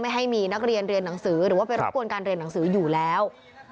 ให้มีนักเรียนเรียนหนังสือหรือว่าไปรบกวนการเรียนหนังสืออยู่แล้ว